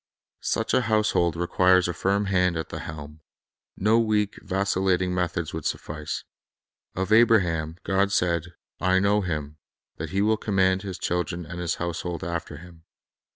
Such a household required a firm hand at the helm. No weak, vacillating methods would suffice. Of Abraham God said, "I know him, that he will command his children and his household after him."